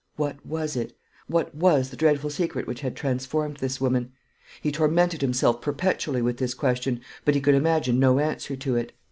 What was it? What was the dreadful secret which had transformed this woman? He tormented himself perpetually with this question, but he could imagine no answer to it.